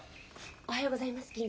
おはようございます銀次さん。